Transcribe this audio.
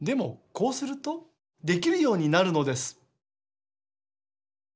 こうするとできるようになるのです。